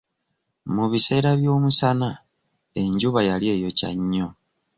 Mu biseera by'omusana, enjuba yali eyokya nnyo.